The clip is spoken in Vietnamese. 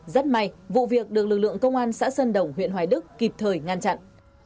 rất may vụ việc được lực lượng công an xã sơn đồng huyện hoài đức kịp thời ngăn chặn